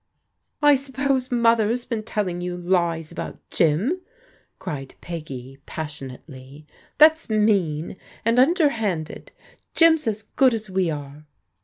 " I suppose Mother's been telling you lies about Jim," cried Peggy passionately. "That's mean, and under handed. Jim's as good as we are."